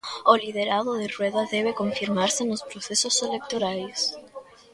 O liderado de Rueda debe confirmarse nos procesos electorais.